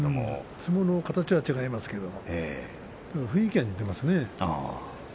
相撲の形は違いますけど、雰囲気は似ていますね。